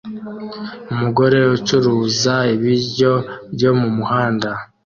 Umugore ucuruza ibiryo byo mumuhanda